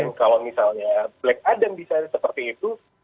mungkin kalau misalnya black adam bisa seperti itu